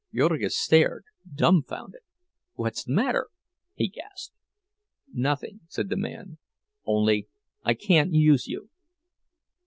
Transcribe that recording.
Jurgis stared, dumfounded. "What's the matter?" he gasped. "Nothing," said the man, "only I can't use you."